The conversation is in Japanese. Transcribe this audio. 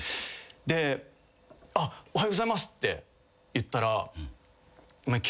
でおはようございますって言ったら。